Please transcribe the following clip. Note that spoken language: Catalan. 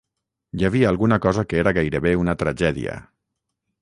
Hi havia alguna cosa que era gairebé una tragèdia.